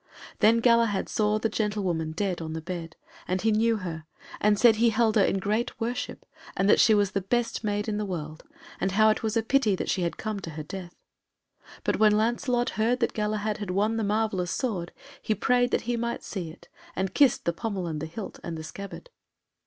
Then Galahad saw the gentlewoman dead on the bed, and he knew her, and said he held her in great worship, and that she was the best maid in the world, and how it was great pity that she had come to her death. But when Lancelot heard that Galahad had won the marvellous sword he prayed that he might see it, and kissed the pommel and the hilt, and the scabbard.